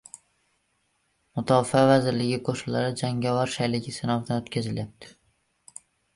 Mudofaa vazirligi qo‘shinlari jangovar shayligi sinovdan o‘tkazilyapti